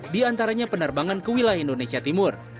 di antaranya penerbangan ke wilayah indonesia timur